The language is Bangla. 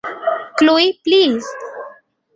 Chloe, please.